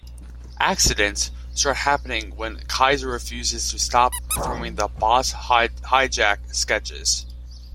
"Accidents" start happening when Kaiser refuses to stop performing the "Boss Hijack" sketches.